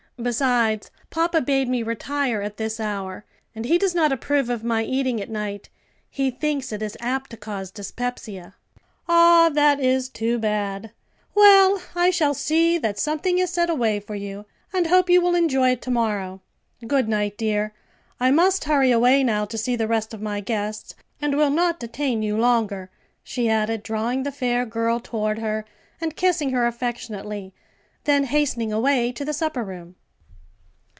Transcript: Besides, papa bade me retire at this hour; and he does not approve of my eating at night; he thinks it is apt to cause dyspepsia." "Ah, that is too bad! Well, I shall see that something is set away for you, and hope you will enjoy it to morrow. Good night, dear; I must hurry away now to see the rest of my guests, and will not detain you longer," she added, drawing the fair girl toward her and kissing her affectionately, then hastening away to the supper room.